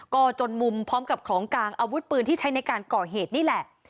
ก็จนมุมพร้อมกับของกลางอาวุธปืนที่ใช้ในการก่อเหตุนี่แหละ